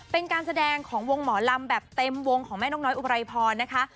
เป็นการแสดงของวงหมอลำแบบเต็มวงของแม่นกน้อยอุไรพรนะคะ